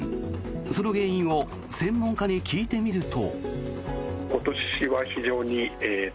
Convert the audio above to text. その原因を専門家に聞いてみると。